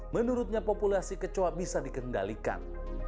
menurutnya populasi kecoa bisa dikendalikan